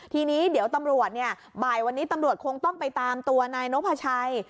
ทีนี้เดี๋ยวตำรวจเนี่ยบ่ายวันนี้ตำรวจคงต้องไปตามตัวนายนพชัย